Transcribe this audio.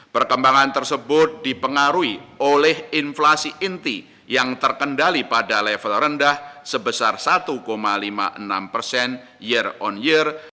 perkembangan tersebut dipengaruhi oleh inflasi inti yang terkendali pada level rendah sebesar satu lima puluh enam persen year on year